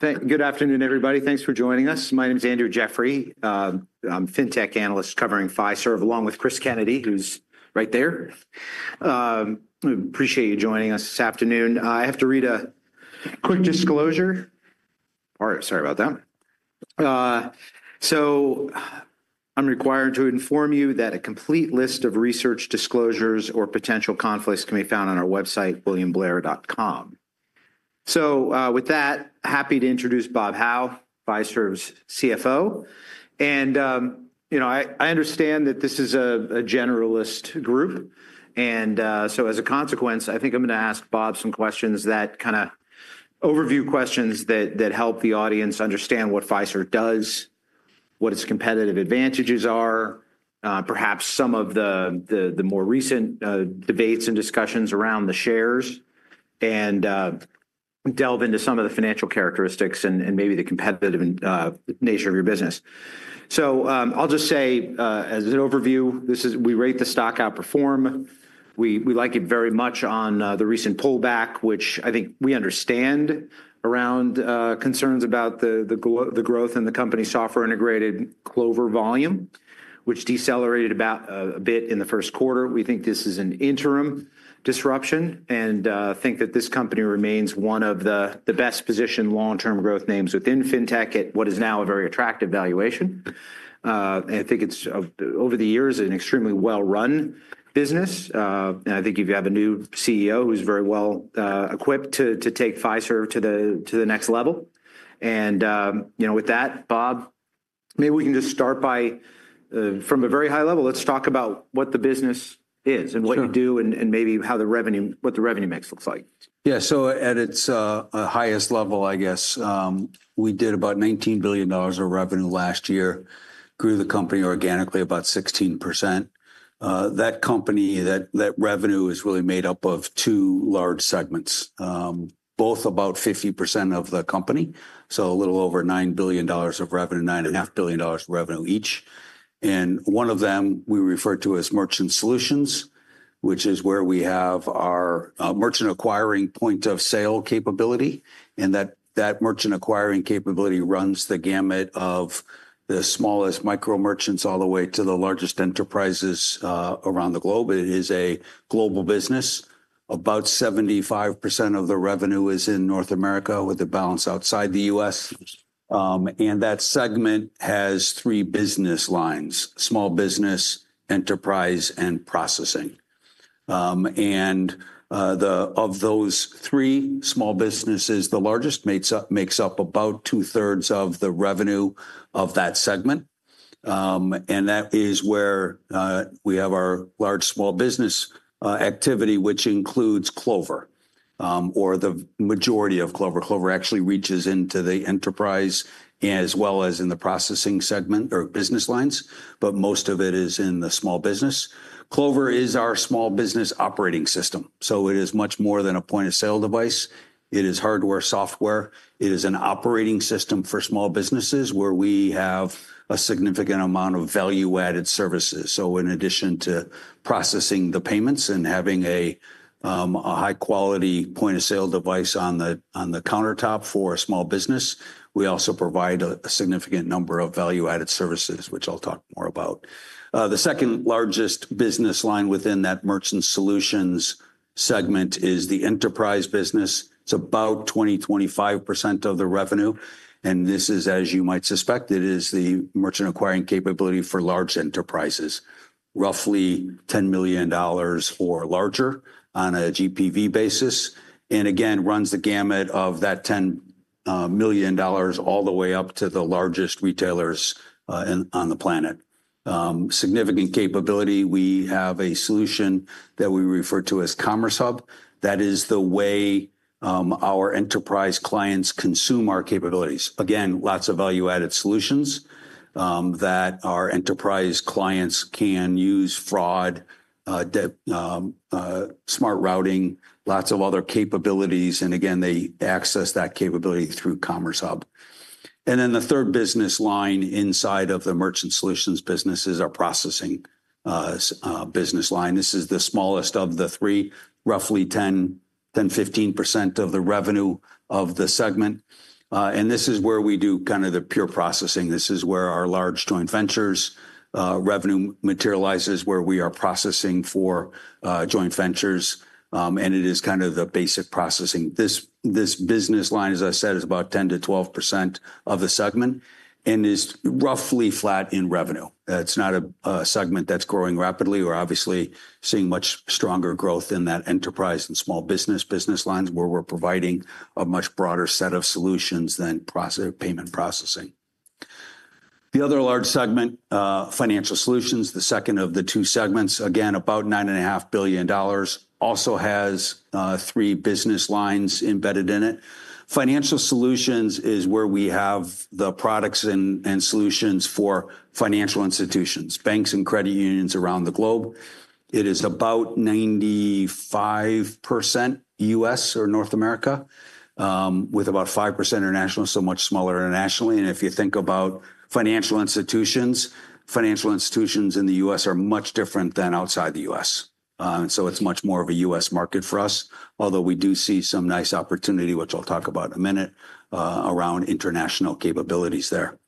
Good afternoon, everybody. Thanks for joining us. My name is Andrew Jeffrey. I'm a fintech analyst covering Fiserv, along with Chris Kennedy, who's right there. Appreciate you joining us this afternoon. I have to read a quick disclosure. Sorry about that. I'm required to inform you that a complete list of research disclosures or potential conflicts can be found on our website, williamblair.com. With that, happy to introduce Bob Hau, Fiserv's CFO. I understand that this is a generalist group. As a consequence, I think I'm going to ask Bob some questions that are kind of overview questions that help the audience understand what Fiserv does, what its competitive advantages are, perhaps some of the more recent debates and discussions around the shares, and delve into some of the financial characteristics and maybe the competitive nature of your business. I'll just say, as an overview, we rate the stock outperform. We like it very much on the recent pullback, which I think we understand, around concerns about the growth in the company's software-integrated Clover volume, which decelerated a bit in the first quarter. We think this is an interim disruption and think that this company remains one of the best-positioned long-term growth names within fintech at what is now a very attractive valuation. I think it's, over the years, an extremely well-run business. I think if you have a new CEO who's very well equipped to take Fiserv to the next level. With that, Bob, maybe we can just start by, from a very high level, let's talk about what the business is and what you do and maybe what the revenue mix looks like. Yeah. At its highest level, I guess, we did about $19 billion of revenue last year, grew the company organically about 16%. That revenue is really made up of two large segments, both about 50% of the company, so a little over $9 billion of revenue, $9.5 billion of revenue each. One of them we refer to as Merchant Solutions, which is where we have our merchant acquiring point of sale capability. That merchant acquiring capability runs the gamut of the smallest micro merchants all the way to the largest enterprises around the globe. It is a global business. About 75% of the revenue is in North America with a balance outside the U.S. That segment has three business lines: small business, enterprise, and processing. Of those three, small business, the largest, makes up about two-thirds of the revenue of that segment. That is where we have our large small business activity, which includes Clover, or the majority of Clover. Clover actually reaches into the enterprise as well as in the processing segment or business lines, but most of it is in the small business. Clover is our small business operating system. It is much more than a point of sale device. It is hardware, software. It is an operating system for small businesses where we have a significant amount of value-added services. In addition to processing the payments and having a high-quality point of sale device on the countertop for a small business, we also provide a significant number of value-added services, which I'll talk more about. The second largest business line within that Merchant Solutions segment is the enterprise business. It is about 20%-25% of the revenue. This is, as you might suspect, it is the merchant acquiring capability for large enterprises, roughly $10 million or larger on a GPV basis. It runs the gamut of that $10 million all the way up to the largest retailers on the planet. Significant capability. We have a solution that we refer to as Commerce Hub. That is the way our enterprise clients consume our capabilities. Lots of value-added solutions that our enterprise clients can use: fraud, smart routing, lots of other capabilities. They access that capability through Commerce Hub. The third business line inside of the Merchant Solutions business is our processing business line. This is the smallest of the three, roughly 10%-15% of the revenue of the segment. This is where we do kind of the pure processing. This is where our large joint ventures revenue materializes, where we are processing for joint ventures. It is kind of the basic processing. This business line, as I said, is about 10%-12% of the segment and is roughly flat in revenue. It's not a segment that's growing rapidly or obviously seeing much stronger growth in that enterprise and small business lines where we're providing a much broader set of solutions than payment processing. The other large segment, Financial Solutions, the second of the two segments, again, about $9.5 billion, also has three business lines embedded in it. Financial Solutions is where we have the products and solutions for financial institutions, banks, and credit unions around the globe. It is about 95% U.S. or North America, with about 5% international, so much smaller internationally. If you think about financial institutions, financial institutions in the U.S. are much different than outside the U.S. It is much more of a U.S. market for us, although we do see some nice opportunity, which I'll talk about in a minute, around international capabilities there.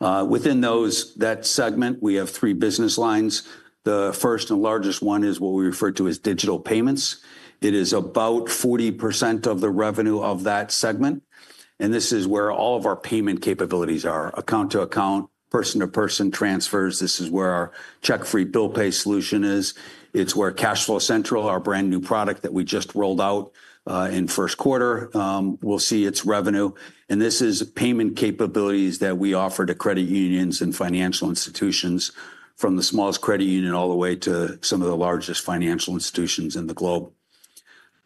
Within that segment, we have three business lines. The first and largest one is what we refer to as digital payments. It is about 40% of the revenue of that segment. This is where all of our payment capabilities are: account-to-account, person-to-person transfers. This is where our check-free bill pay solution is. It is where CashFlow Central, our brand new product that we just rolled out in first quarter, will see its revenue. This is payment capabilities that we offer to credit unions and financial institutions from the smallest credit union all the way to some of the largest financial institutions in the globe.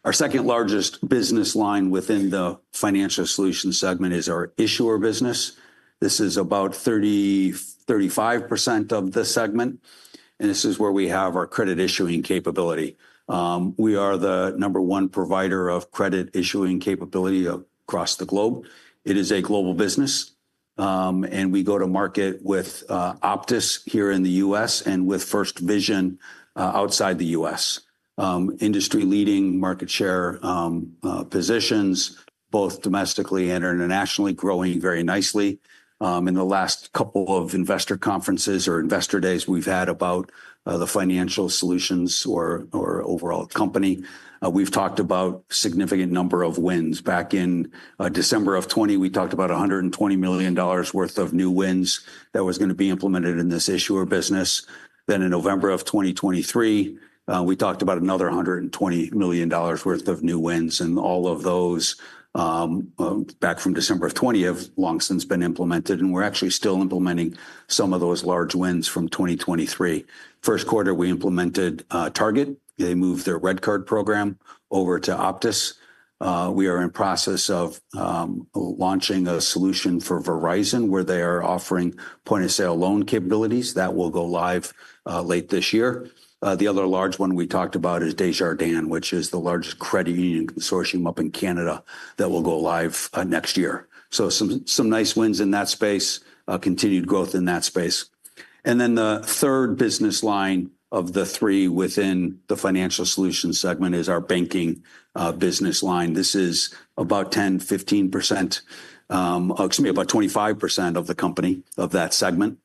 Our second largest business line within the Financial Solutions segment is our issuer business. This is about 30%-35% of the segment. This is where we have our credit issuing capability. We are the number one provider of credit issuing capability across the globe. It is a global business. We go to market with Optis here in the U.S. and with FirstVision outside the U.S. Industry-leading market share positions, both domestically and internationally, growing very nicely. In the last couple of investor conferences or investor days, we have had about the Financial Solutions or overall company, we have talked about a significant number of wins. Back in December of 2020, we talked about $120 million worth of new wins that were going to be implemented in this issuer business. Then in November of 2023, we talked about another $120 million worth of new wins. All of those, back from December of 2020, have long since been implemented. We're actually still implementing some of those large wins from 2023. First quarter, we implemented Target. They moved their RedCard program over to Optis. We are in the process of launching a solution for Verizon where they are offering point-of-sale loan capabilities that will go live late this year. The other large one we talked about is Desjardins, which is the largest credit union consortium up in Canada that will go live next year. Some nice wins in that space, continued growth in that space. The third business line of the three within the Financial Solutions segment is our banking business line. This is about 10%-15%, excuse me, about 25% of the company, of that segment,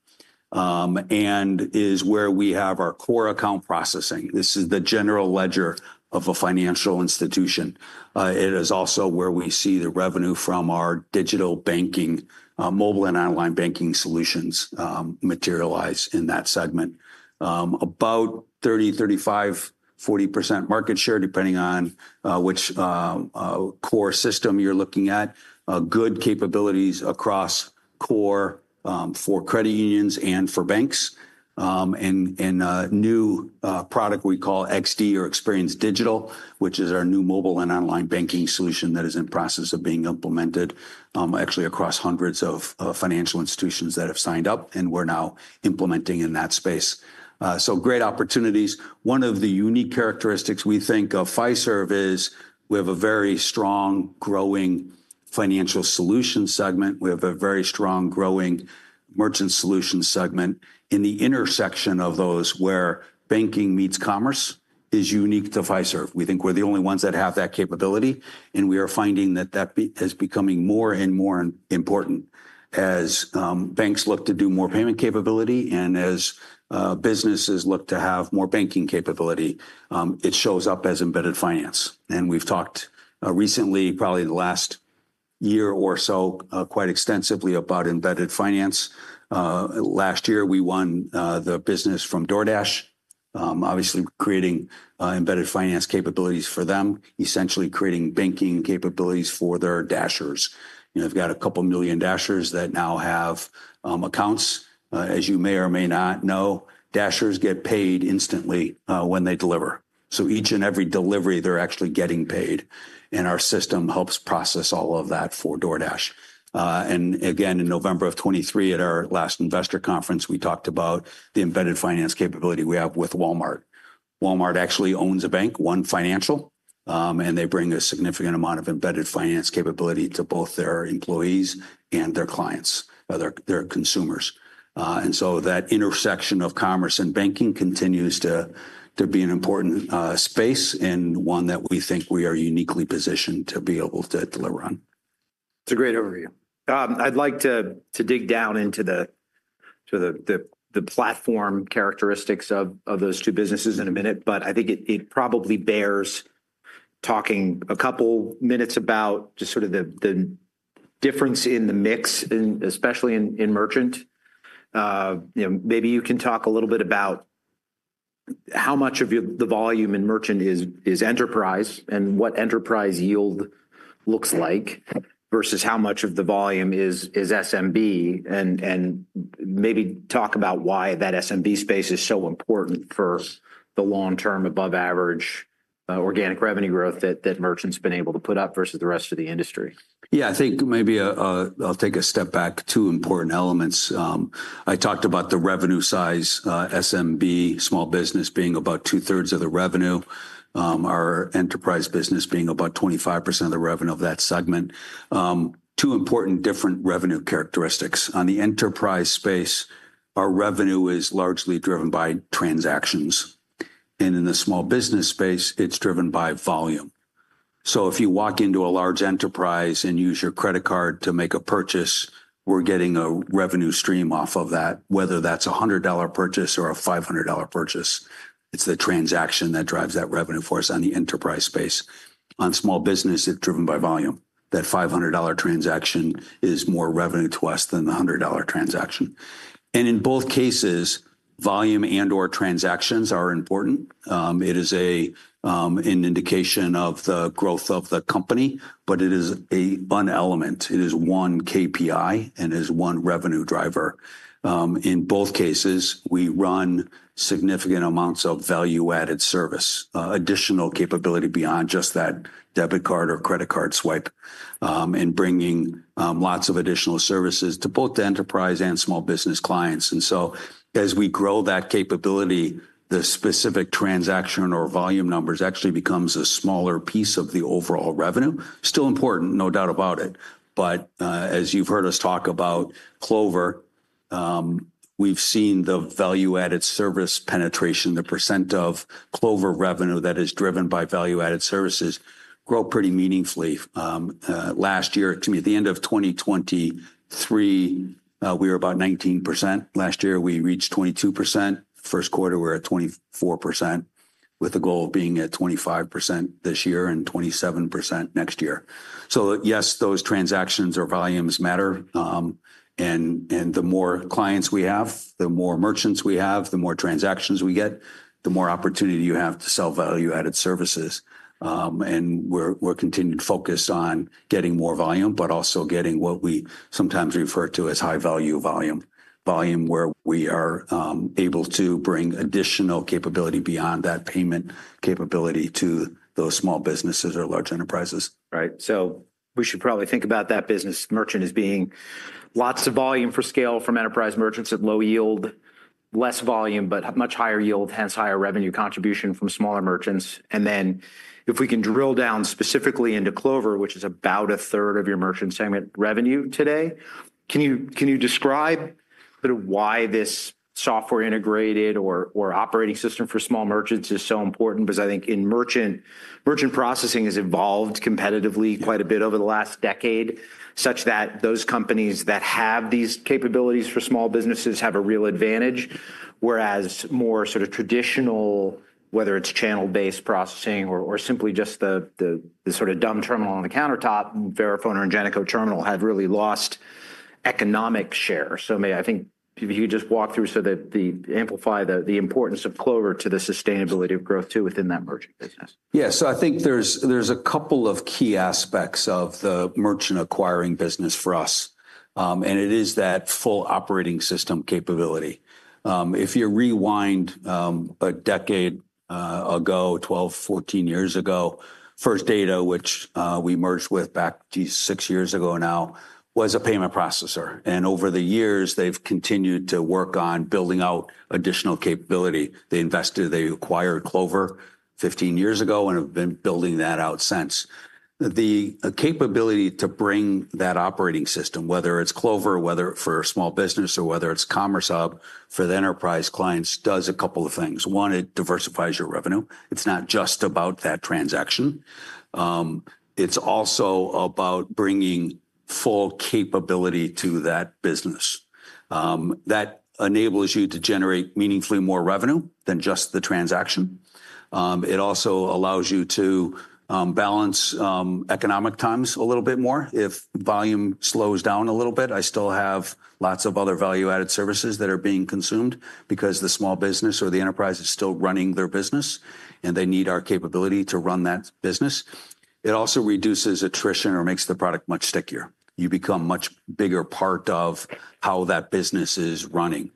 and is where we have our core account processing. This is the general ledger of a financial institution. It is also where we see the revenue from our digital banking, mobile and online banking solutions materialize in that segment. About 30%-35%-40% market share, depending on which core system you're looking at. Good capabilities across core for credit unions and for banks. A new product we call XD or Experience Digital, which is our new mobile and online banking solution, is in the process of being implemented, actually across hundreds of financial institutions that have signed up, and we're now implementing in that space. Great opportunities. One of the unique characteristics we think of Fiserv is we have a very strong growing Financial Solutions segment. We have a very strong growing Merchant Solutions segment. The intersection of those where banking meets commerce is unique to Fiserv. We think we're the only ones that have that capability. We are finding that that is becoming more and more important as banks look to do more payment capability and as businesses look to have more banking capability. It shows up as embedded finance. We've talked recently, probably the last year or so, quite extensively about embedded finance. Last year, we won the business from DoorDash, obviously creating embedded finance capabilities for them, essentially creating banking capabilities for their Dashers. They've got a couple million Dashers that now have accounts. As you may or may not know, Dashers get paid instantly when they deliver. Each and every delivery, they're actually getting paid. Our system helps process all of that for DoorDash. In November of 2023, at our last investor conference, we talked about the embedded finance capability we have with Walmart. Walmart actually owns a bank, One Financial, and they bring a significant amount of embedded finance capability to both their employees and their clients, their consumers. That intersection of commerce and banking continues to be an important space and one that we think we are uniquely positioned to be able to deliver on. It's a great overview. I'd like to dig down into the platform characteristics of those two businesses in a minute, but I think it probably bears talking a couple minutes about just sort of the difference in the mix, especially in merchant. Maybe you can talk a little bit about how much of the volume in merchant is enterprise and what enterprise yield looks like versus how much of the volume is SMB, and maybe talk about why that SMB space is so important for the long-term above-average organic revenue growth that merchants have been able to put up versus the rest of the industry. Yeah, I think maybe I'll take a step back. Two important elements. I talked about the revenue size, SMB, small business being about two-thirds of the revenue, our enterprise business being about 25% of the revenue of that segment. Two important different revenue characteristics. On the enterprise space, our revenue is largely driven by transactions. In the small business space, it's driven by volume. If you walk into a large enterprise and use your credit card to make a purchase, we're getting a revenue stream off of that, whether that's a $100 purchase or a $500 purchase. It's the transaction that drives that revenue for us on the enterprise space. On small business, it's driven by volume. That $500 transaction is more revenue to us than the $100 transaction. In both cases, volume and/or transactions are important. It is an indication of the growth of the company, but it is one element. It is one KPI, and it is one revenue driver. In both cases, we run significant amounts of value-added service, additional capability beyond just that debit card or credit card swipe, and bringing lots of additional services to both the enterprise and small business clients. As we grow that capability, the specific transaction or volume numbers actually become a smaller piece of the overall revenue. Still important, no doubt about it. As you have heard us talk about Clover, we have seen the value-added service penetration, the percent of Clover revenue that is driven by value-added services grow pretty meaningfully. At the end of 2023, we were about 19%. Last year, we reached 22%. First quarter, we were at 24%, with the goal of being at 25% this year and 27% next year. Yes, those transactions or volumes matter. The more clients we have, the more merchants we have, the more transactions we get, the more opportunity you have to sell value-added services. We are continuing to focus on getting more volume, but also getting what we sometimes refer to as high-value volume, volume where we are able to bring additional capability beyond that payment capability to those small businesses or large enterprises. Right. So we should probably think about that business merchant as being lots of volume for scale from enterprise merchants at low yield, less volume, but much higher yield, hence higher revenue contribution from smaller merchants. If we can drill down specifically into Clover, which is about a third of your merchant segment revenue today, can you describe sort of why this software integrated or operating system for small merchants is so important? I think in merchant, merchant processing has evolved competitively quite a bit over the last decade, such that those companies that have these capabilities for small businesses have a real advantage, whereas more sort of traditional, whether it is channel-based processing or simply just the sort of dumb terminal on the countertop, Verifone or Ingenico terminal have really lost economic share. Maybe I think if you could just walk through so that the amplify the importance of Clover to the sustainability of growth too within that merchant business. Yeah. I think there's a couple of key aspects of the merchant acquiring business for us. It is that full operating system capability. If you rewind a decade ago, 12, 14 years ago, First Data, which we merged with back six years ago now, was a payment processor. Over the years, they've continued to work on building out additional capability. They invested, they acquired Clover 15 years ago and have been building that out since. The capability to bring that operating system, whether it's Clover, whether it's for a small business, or whether it's Commerce Hub for the enterprise clients, does a couple of things. One, it diversifies your revenue. It's not just about that transaction. It's also about bringing full capability to that business. That enables you to generate meaningfully more revenue than just the transaction. It also allows you to balance economic times a little bit more. If volume slows down a little bit, I still have lots of other value-added services that are being consumed because the small business or the enterprise is still running their business, and they need our capability to run that business. It also reduces attrition or makes the product much stickier. You become a much bigger part of how that business is running.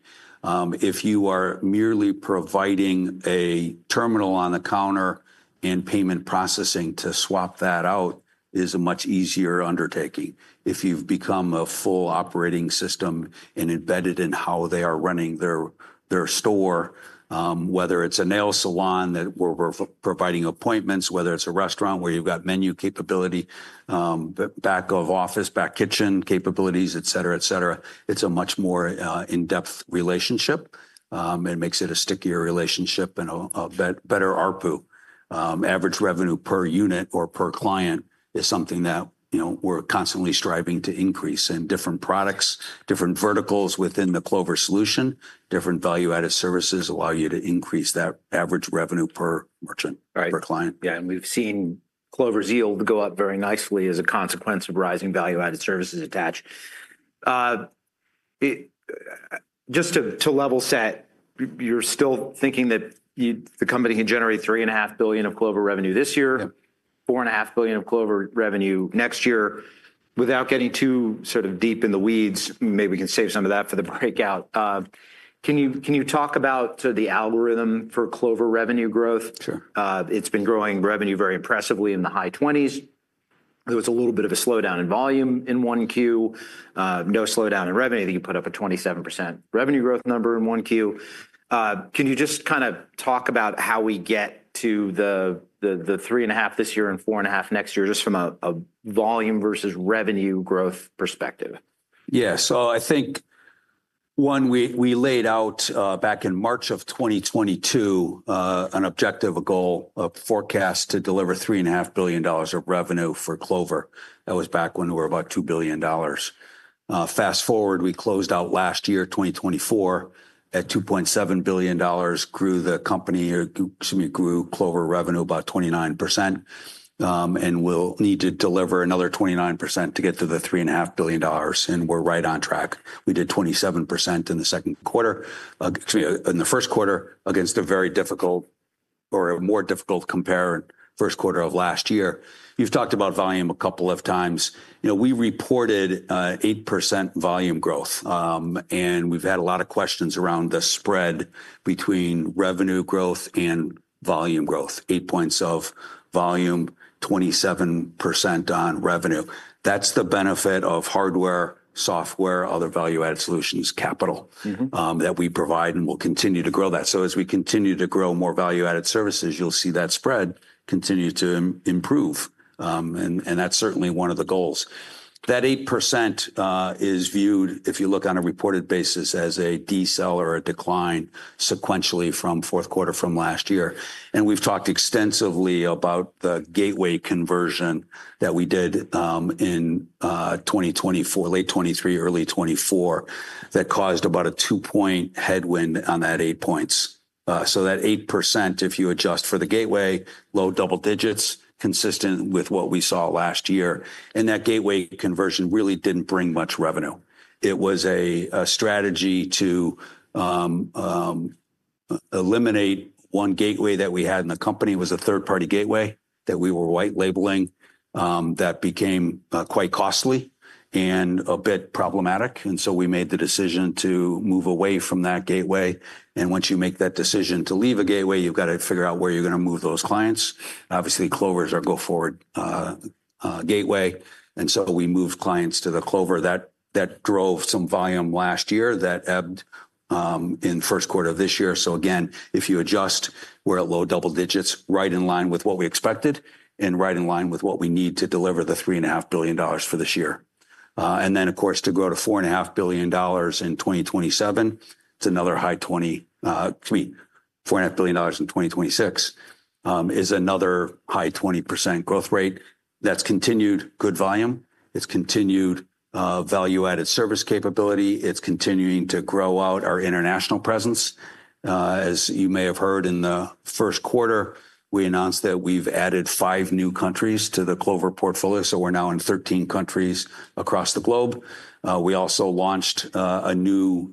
If you are merely providing a terminal on the counter and payment processing, to swap that out, it is a much easier undertaking. If you've become a full operating system and embedded in how they are running their store, whether it's a nail salon where we're providing appointments, whether it's a restaurant where you've got menu capability, back of office, back kitchen capabilities, et cetera, et cetera, it's a much more in-depth relationship. It makes it a stickier relationship and a better ARPU. Average revenue per unit or per client is something that we're constantly striving to increase. Different products, different verticals within the Clover solution, different value-added services allow you to increase that average revenue per merchant, per client. Yeah. We've seen Clover's yield go up very nicely as a consequence of rising value-added services attached. Just to level set, you're still thinking that the company can generate $3.5 billion of Clover revenue this year, $4.5 billion of Clover revenue next year. Without getting too sort of deep in the weeds, maybe we can save some of that for the breakout. Can you talk about the algorithm for Clover revenue growth? Sure. It's been growing revenue very impressively in the high 20s. There was a little bit of a slowdown in volume in 1Q. No slowdown in revenue. I think you put up a 27% revenue growth number in 1Q. Can you just kind of talk about how we get to the three and a half this year and four and a half next year just from a volume versus revenue growth perspective? Yeah. I think, one, we laid out back in March of 2022 an objective, a goal, a forecast to deliver $3.5 billion of revenue for Clover. That was back when we were about $2 billion. Fast forward, we closed out last year, 2024, at $2.7 billion. Grew the company, excuse me, grew Clover revenue about 29%. We'll need to deliver another 29% to get to the $3.5 billion. We're right on track. We did 27% in the second quarter, excuse me, in the first quarter against a very difficult or a more difficult compare first quarter of last year. You've talked about volume a couple of times. We reported 8% volume growth. We've had a lot of questions around the spread between revenue growth and volume growth. Eight points of volume, 27% on revenue. That's the benefit of hardware, software, other value-added solutions, capital that we provide and will continue to grow that. As we continue to grow more value-added services, you'll see that spread continue to improve. That's certainly one of the goals. That 8% is viewed, if you look on a reported basis, as a decel or a decline sequentially from fourth quarter from last year. We've talked extensively about the gateway conversion that we did in 2024, late 2023, early 2024, that caused about a two-point headwind on that eight points. That 8%, if you adjust for the gateway, low double digits, consistent with what we saw last year. That gateway conversion really did not bring much revenue. It was a strategy to eliminate one gateway that we had in the company. It was a third-party gateway that we were white-labeling that became quite costly and a bit problematic. We made the decision to move away from that gateway. Once you make that decision to leave a gateway, you've got to figure out where you're going to move those clients. Obviously, Clover's our go-forward gateway. We moved clients to the Clover that drove some volume last year that ebbed in first quarter of this year. If you adjust, we're at low double digits, right in line with what we expected and right in line with what we need to deliver the $3.5 billion for this year. Of course, to grow to $4.5 billion in 2027, it's another high 20, excuse me, $4.5 billion in 2026, is another high 20% growth rate. That's continued good volume. It's continued value-added service capability. It's continuing to grow out our international presence. As you may have heard in the first quarter, we announced that we've added five new countries to the Clover portfolio. We're now in 13 countries across the globe. We also launched a new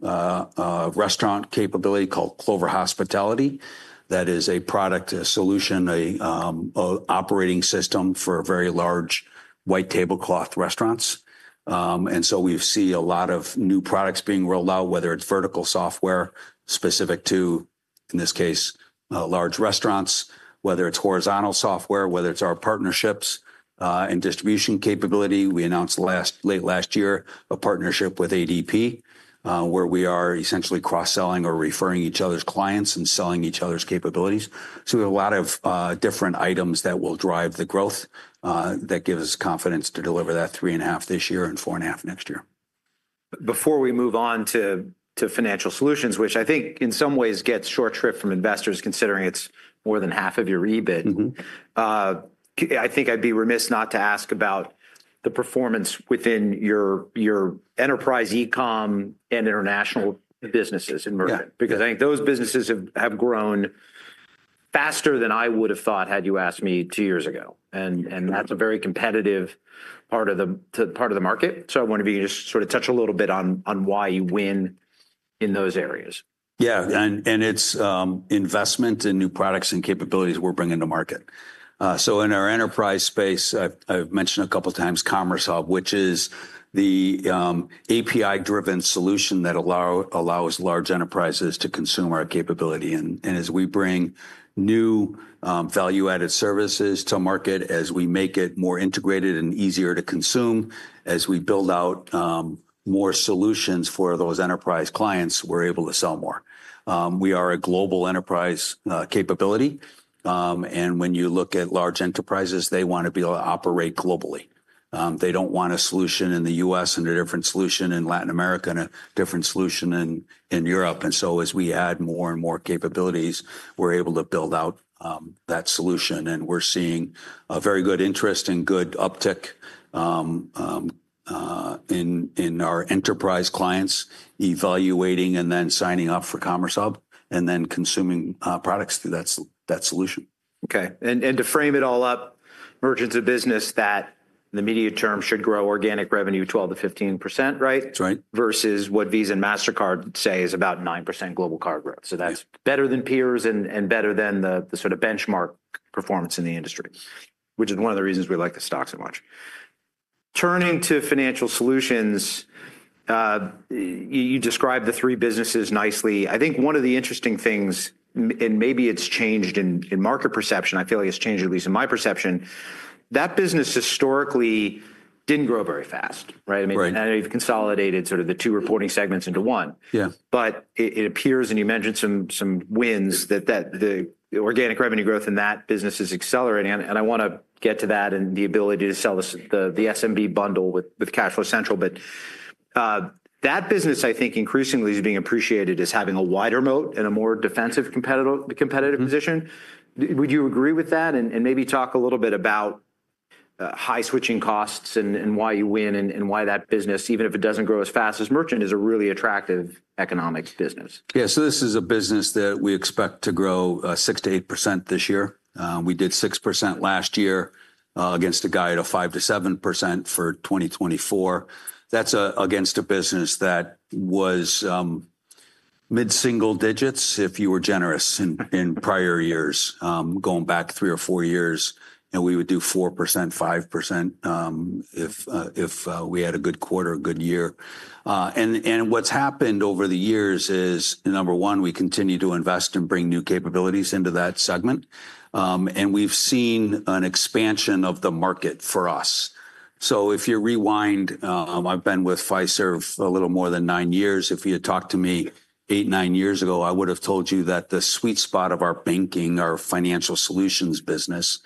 restaurant capability called Clover Hospitality that is a product, a solution, an operating system for very large white tablecloth restaurants. We see a lot of new products being rolled out, whether it's vertical software specific to, in this case, large restaurants, whether it's horizontal software, whether it's our partnerships and distribution capability. We announced late last year a partnership with ADP, where we are essentially cross-selling or referring each other's clients and selling each other's capabilities. We have a lot of different items that will drive the growth that gives us confidence to deliver that $3.5 billion this year and $4.5 billion next year. Before we move on to Financial Solutions, which I think in some ways gets short shrift from investors considering it's more than half of your EBIT, I think I'd be remiss not to ask about the performance within your enterprise e-com and international businesses in merchant. Because I think those businesses have grown faster than I would have thought had you asked me two years ago. And that's a very competitive part of the market. I wonder if you can just sort of touch a little bit on why you win in those areas. Yeah. And it's investment in new products and capabilities we're bringing to market. In our enterprise space, I've mentioned a couple of times Commerce Hub, which is the API-driven solution that allows large enterprises to consume our capability. As we bring new value-added services to market, as we make it more integrated and easier to consume, as we build out more solutions for those enterprise clients, we're able to sell more. We are a global enterprise capability. When you look at large enterprises, they want to be able to operate globally. They don't want a solution in the US and a different solution in Latin America and a different solution in Europe. As we add more and more capabilities, we're able to build out that solution. We are seeing a very good interest and good uptick in our enterprise clients evaluating and then signing up for Commerce Hub and then consuming products through that solution. Okay. And to frame it all up, Merchant Solutions is a business that in the medium term should grow organic revenue 12%-15%, right? That's right. Versus what Visa and Mastercard say is about 9% global card growth. That is better than peers and better than the sort of benchmark performance in the industry, which is one of the reasons we like the stocks so much. Turning to Financial Solutions, you described the three businesses nicely. I think one of the interesting things, and maybe it has changed in market perception, I feel like it has changed at least in my perception, that business historically did not grow very fast, right? I mean, I know you have consolidated sort of the two reporting segments into one. Yeah. It appears, and you mentioned some wins, that the organic revenue growth in that business is accelerating. I want to get to that and the ability to sell the SMB bundle with CashFlow Central. That business, I think, increasingly is being appreciated as having a wider moat and a more defensive competitive position. Would you agree with that? Maybe talk a little bit about high switching costs and why you win and why that business, even if it does not grow as fast as merchant, is a really attractive economic business. Yeah. So this is a business that we expect to grow 6%-8% this year. We did 6% last year against a guide of 5%-7% for 2024. That's against a business that was mid-single digits if you were generous in prior years, going back three or four years. We would do 4%, 5% if we had a good quarter, a good year. What's happened over the years is, number one, we continue to invest and bring new capabilities into that segment. We've seen an expansion of the market for us. If you rewind, I've been with Fiserv a little more than nine years. If you had talked to me eight, nine years ago, I would have told you that the sweet spot of our banking, our Financial Solutions business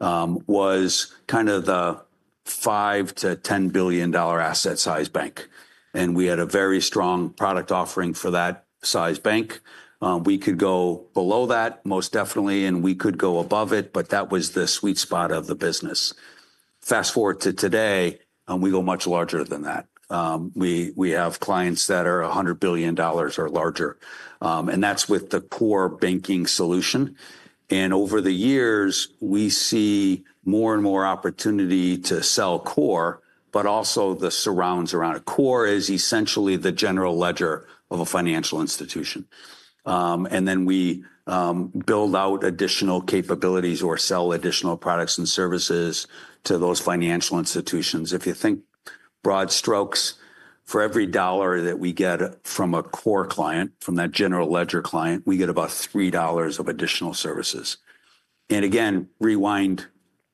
was kind of the $5 billion-$10 billion asset size bank. We had a very strong product offering for that size bank. We could go below that, most definitely, and we could go above it, but that was the sweet spot of the business. Fast forward to today, we go much larger than that. We have clients that are $100 billion or larger. That is with the core banking solution. Over the years, we see more and more opportunity to sell core, but also the surrounds around it. Core is essentially the general ledger of a financial institution. Then we build out additional capabilities or sell additional products and services to those financial institutions. If you think broad strokes, for every dollar that we get from a core client, from that general ledger client, we get about $3 of additional services. Rewind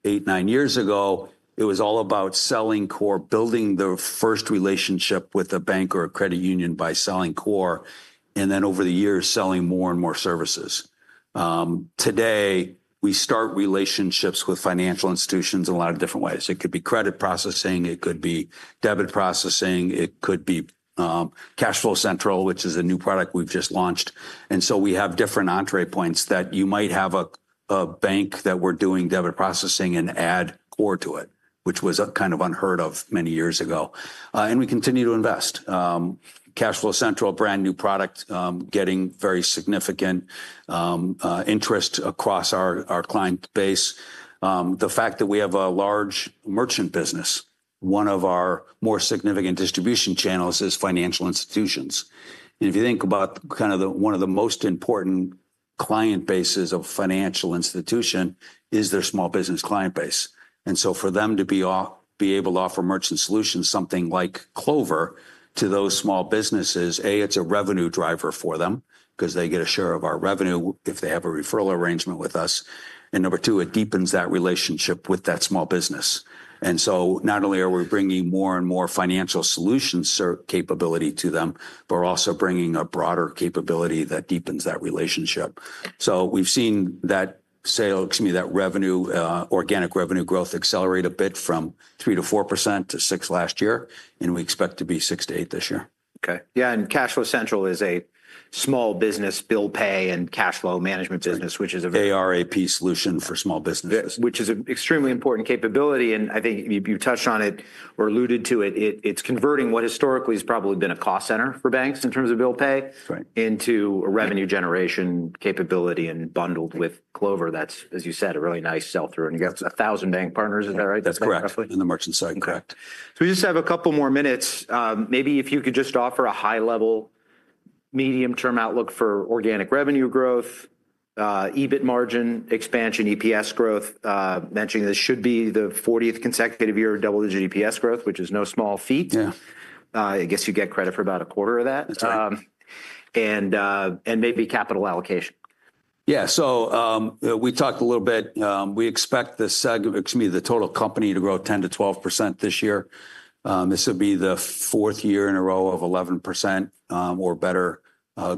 eight, nine years ago, it was all about selling core, building the first relationship with a bank or a credit union by selling core, and then over the years, selling more and more services. Today, we start relationships with financial institutions in a lot of different ways. It could be credit processing, it could be debit processing, it could be CashFlow Central, which is a new product we've just launched. We have different entree points that you might have a bank that we're doing debit processing and add core to it, which was kind of unheard of many years ago. We continue to invest. CashFlow Central, brand new product, getting very significant interest across our client base. The fact that we have a large merchant business, one of our more significant distribution channels is financial institutions. If you think about kind of one of the most important client bases of a financial institution, it is their small business client base. For them to be able to offer Merchant Solutions, something like Clover to those small businesses, A, it is a revenue driver for them because they get a share of our revenue if they have a referral arrangement with us. Number two, it deepens that relationship with that small business. Not only are we bringing more and more Financial Solutions capability to them, but we are also bringing a broader capability that deepens that relationship. We have seen that revenue, organic revenue growth accelerate a bit from 3%-4% to 6% last year. We expect to be 6%-8% this year. Okay. Yeah. CashFlow Central is a small business bill pay and cash flow management business, which is a. ARP solution for small businesses. Which is an extremely important capability. I think you touched on it or alluded to it. It's converting what historically has probably been a cost center for banks in terms of bill pay into a revenue generation capability and bundled with Clover. That's, as you said, a really nice sell-through. You got 1,000 bank partners, is that right? That's correct. And the merchant side, correct. We just have a couple more minutes. Maybe if you could just offer a high-level medium-term outlook for organic revenue growth, EBIT margin expansion, EPS growth, mentioning this should be the 40th consecutive year of double-digit EPS growth, which is no small feat. Yeah. I guess you get credit for about a quarter of that. That's right. Maybe capital allocation. Yeah. So we talked a little bit. We expect the segment, excuse me, the total company to grow 10%-12% this year. This would be the fourth year in a row of 11% or better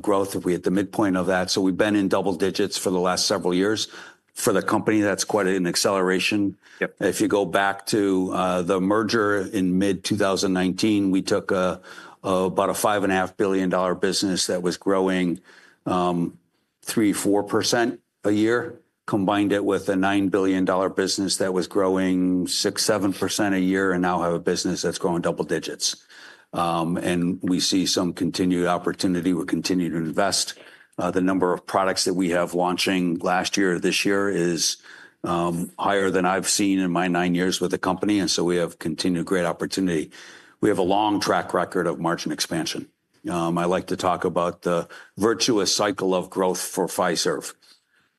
growth if we hit the midpoint of that. We've been in double digits for the last several years. For the company, that's quite an acceleration. If you go back to the merger in mid-2019, we took about a $5.5 billion business that was growing 3%-4% a year, combined it with a $9 billion business that was growing 6%-7% a year, and now have a business that's growing double digits. We see some continued opportunity. We're continuing to invest. The number of products that we have launching last year or this year is higher than I've seen in my nine years with the company. We have continued great opportunity. We have a long track record of margin expansion. I like to talk about the virtuous cycle of growth for Fiserv.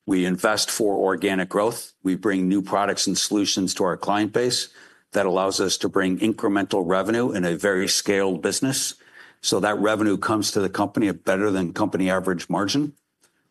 We invest for organic growth. We bring new products and solutions to our client base that allows us to bring incremental revenue in a very scaled business. So that revenue comes to the company at better than company average margin.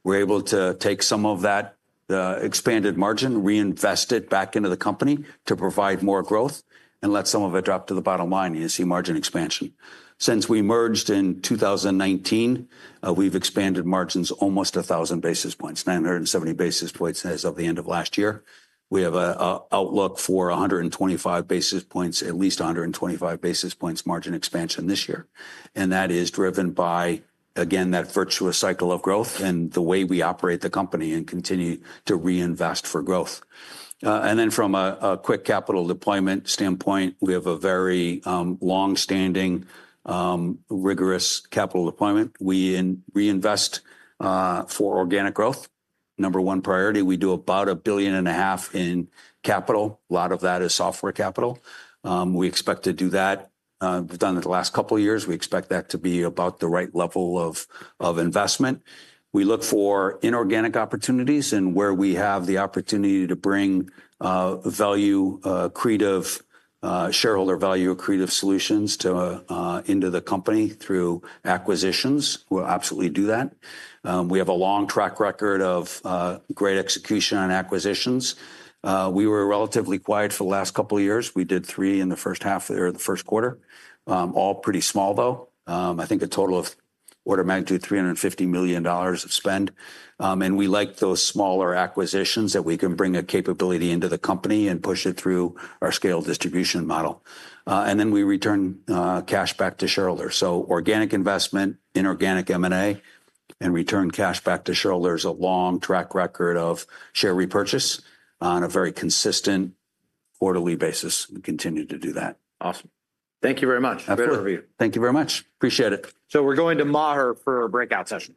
We're able to take some of that expanded margin, reinvest it back into the company to provide more growth and let some of it drop to the bottom line. You see margin expansion. Since we merged in 2019, we've expanded margins almost 1,000 basis points, 970 basis points as of the end of last year. We have an outlook for 125 basis points, at least 125 basis points margin expansion this year. That is driven by, again, that virtuous cycle of growth and the way we operate the company and continue to reinvest for growth. From a quick capital deployment standpoint, we have a very long-standing, rigorous capital deployment. We reinvest for organic growth. Number one priority, we do about $1.5 billion in capital. A lot of that is software capital. We expect to do that. We have done it the last couple of years. We expect that to be about the right level of investment. We look for inorganic opportunities and where we have the opportunity to bring value, creative shareholder value, creative solutions into the company through acquisitions. We will absolutely do that. We have a long track record of great execution on acquisitions. We were relatively quiet for the last couple of years. We did three in the first half or the first quarter. All pretty small, though. I think a total of order magnitude $350 million of spend. We like those smaller acquisitions that we can bring a capability into the company and push it through our scaled distribution model. Then we return cash back to shareholders. Organic investment, inorganic M&A, and return cash back to shareholders is a long track record of share repurchase on a very consistent quarterly basis. We continue to do that. Awesome. Thank you very much. Thank you very much. Appreciate it. We're going to Maher for a breakout session.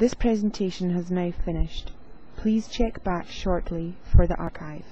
This presentation has now finished. Please check back shortly for the archive.